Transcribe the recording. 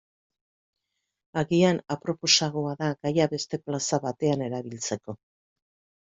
Agian aproposagoa da gaia beste plaza batean erabiltzeko.